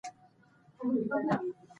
په افغانستان کې پکتیا شتون لري.